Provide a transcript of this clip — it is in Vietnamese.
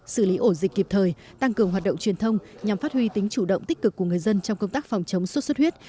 xử lý ổ dịch kịp thời tăng cường hoạt động truyền thông nhằm phát huy tính chủ động tích cực của người dân trong công tác phòng chống xuất xuất huyết